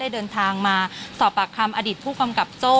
เดินทางมาสอบปากคำอดีตผู้กำกับโจ้